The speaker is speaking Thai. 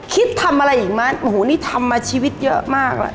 คิดทำอะไรอีกมั้ยโอ้โหนี่ทำมาชีวิตเยอะมากแล้ว